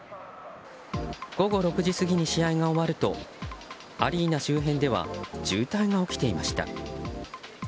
午後６時過ぎに試合が終わるとアリーナ周辺では渋滞が起きていました。